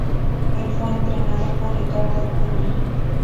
Él fue entrenado por Ricardo Acuña.